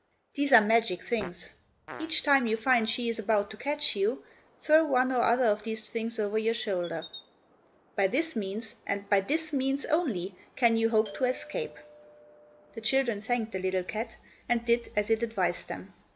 These are magic things. Each time you find she is about to catch you, throw one or other of these things over your shoulder. By this means, and by this means only, can you hope to escape." The children thanked the little cat, and did as it advised them.